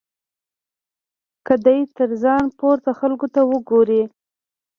که دی تر ځان پورته خلکو ته وګوري.